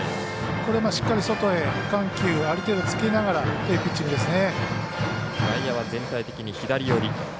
しっかり外へ緩急をある程度つけながらというピッチングですね。